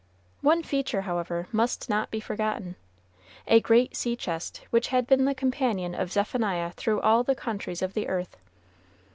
One feature, however, must not be forgotten, a great sea chest, which had been the companion of Zephaniah through all the countries of the earth.